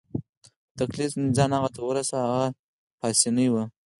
په تکلیف مې ځان هغه ته ورساوه، هغه پاسیني وو.